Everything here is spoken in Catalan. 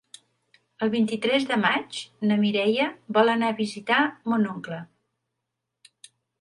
El vint-i-tres de maig na Mireia vol anar a visitar mon oncle.